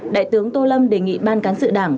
đại tướng tô lâm đề nghị ban cán sự đảng